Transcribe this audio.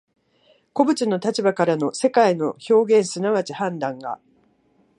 個物の立場からの世界の表現即ち判断が、